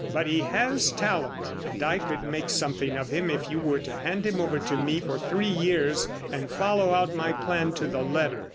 But he has talent, and I could make something of him if you were to hand him over to me for three years, and follow out my plan to the letter.